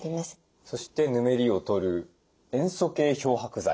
そしてヌメリを取る塩素系漂白剤。